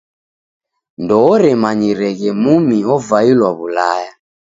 Ndooremanyireghe mumi ovailwa W'ulaya.